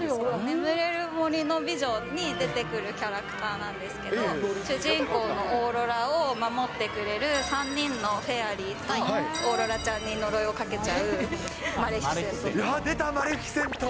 眠れる森の美女に出てくるキャラクターなんですけど、主人公のオーロラを守ってくれる３人のフェアリーと、オーロラちゃんに呪いをかけちゃうマレフィセント。